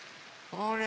あれ？